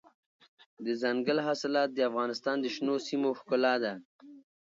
دځنګل حاصلات د افغانستان د شنو سیمو ښکلا ده.